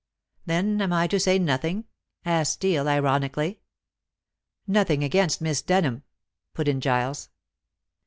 "Then am I to say nothing?" asked Steel ironically. "Nothing against Miss Denham," put in Giles.